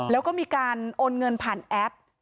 แล้วก็มีการโอนเงินผ่านแอป